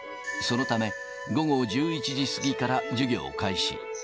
そのため、午後１１時過ぎから授業開始。